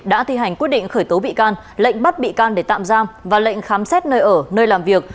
đã thi hành quyết định khởi tố bị can lệnh bắt bị can để tạm giam và lệnh khám xét nơi ở nơi làm việc